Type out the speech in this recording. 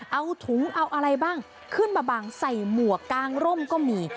เอาถุงเอาอะไรบ้างขึ้นมาบังใส่หมวกกางร่มก็มี